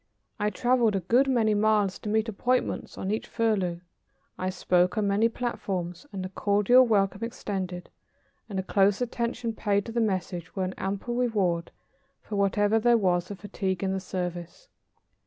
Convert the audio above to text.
I traveled a good many miles to meet appointments on each furlough. I spoke on many platforms, and the cordial welcome extended and the close attention paid to the message were an ample reward for whatever there was of fatigue in the service.